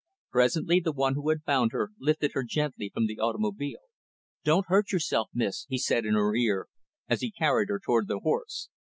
Presently, the one who had bound her, lifted her gently from the automobile "Don't hurt yourself, Miss," he said in her ear, as he carried her toward the horse.